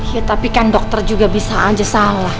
ya tapi kan dokter juga bisa aja salah